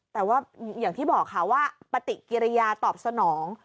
แต่ว่าอย่างที่บอกค่ะว่าปฏิกิริยาตอบสนอง